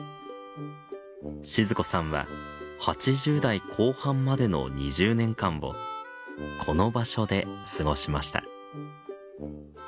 静子さんは８０代後半までの２０年間をこの場所で過ごしました。